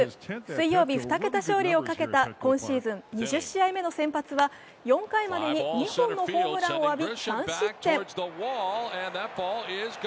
水曜日、２桁勝利をかけた今シーズン２０試合目の先発は４回までに２本のホームランを浴び３失点。